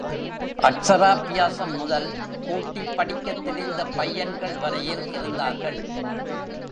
அட்சராப்பியாசம் முதல் கூட்டிப் படிக்கத் தெரிந்த பையன்கள் வரையில் இருந்தார்கள்.